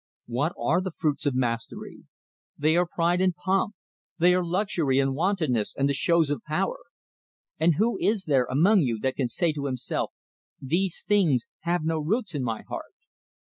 "What are the fruits of mastery? They are pride and pomp, they are luxury and wantoness and the shows of power. And who is there among you that can say to himself, these things have no roots in my heart?